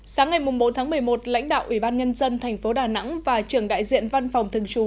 sáng ngày bốn tháng một mươi một lãnh đạo ủy ban nhân dân tp đà nẵng và trưởng đại diện văn phòng thường chú